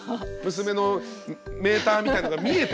娘のメーターみたいのが見えてね。